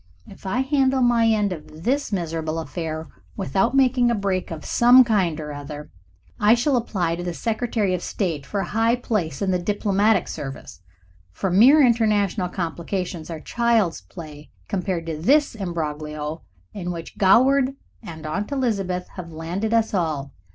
If I handle my end of this miserable affair without making a break of some kind or other, I shall apply to the Secretary of State for a high place in the diplomatic service, for mere international complications are child's play compared to this embroglio in which Goward and Aunt Elizabeth have landed us all.